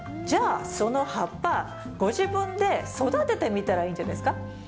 じゃあその葉っぱ、ご自分で育ててみたらいいんじゃないですか。